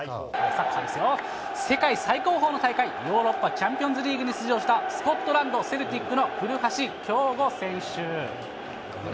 世界最高峰の大会、ヨーロッパチャンピオンズリーグに出場したスコットランドセルティックの古橋亨梧選手。